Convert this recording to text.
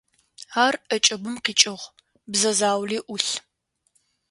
Ар ӏэкӏыбым къикӏыгъ, бзэ заули ӏулъ.